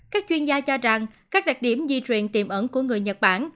các chuyên gia cho rằng các đặc điểm di truyền tiềm ẩn của người nhật bản